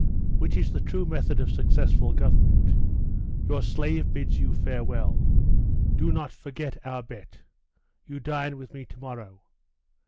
'Which is the true method of successful government. Your slave bids you farewell. Do not forget our bet. You dine with me to morrow?